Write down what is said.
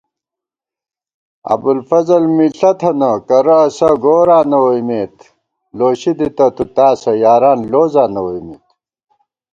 ابُوالفضل مِݪہ تھنہ کرہ اسہ گوراں نہ ووئیمېت * لوشی دِتہ تُو تاسہ یاران لوزاں نہ ووئیمېت